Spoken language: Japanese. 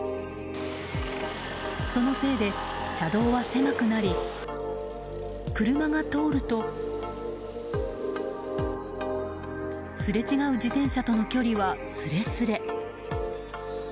そのせいで車道は狭くなり車が通るとすれ違う自転車との距離はすれすれ。